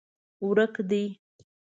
ورک دي